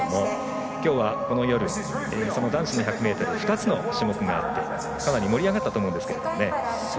きょうは、この夜その男子の１００ｍ２つの種目があってかなり盛り上がったと思うんですが。